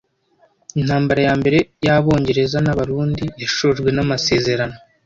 Intambara ya mbere y'Abongereza n'Abarundi yashojwe n'amasezerano